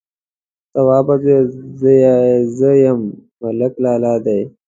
_توابه زويه! زه يم، ملک لالا دې.